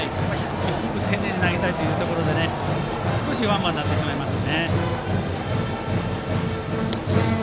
低く丁寧に投げたいところで少しワンバウンドになってしまいました。